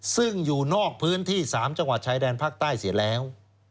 ซึ่งอยู่นอกพื้นที่๓จังหวัดชายแดนภาคใต้เสียแล้ว